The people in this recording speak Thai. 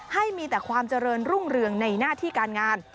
ให้มีแต่ความเจริญรุ่งเรืองในหน้าที่การงาน